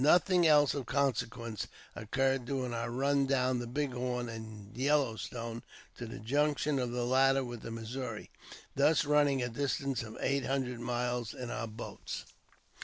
Nothing else of 84 AUTOBIOGBAPHY OF consequence occurred during our run down the Big Horn and Yellow Stone to the junction of the latter with the Missouri, thus running a distance of eight hundred miles in our boats.